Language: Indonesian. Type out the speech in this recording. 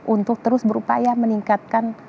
untuk terus berupaya meningkatkan